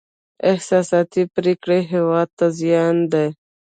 احساساتي پرېکړې هېواد ته زیان دی.